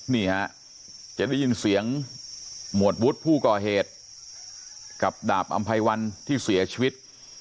นี่ฮะจะได้ยินเสียงหมวดวุฒิผู้ก่อเหตุกับดาบอำไพวันที่เสียชีวิต